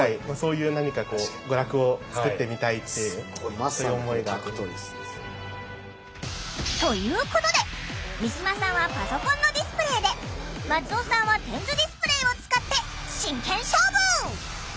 もともとのこのきっかけというかということで三島さんはパソコンのディスプレーで松尾さんは点図ディスプレーを使って真剣勝負！